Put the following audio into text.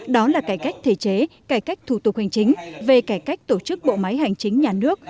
đó là cải cách thể chế cải cách thủ tục hành chính về cải cách tổ chức bộ máy hành chính nhà nước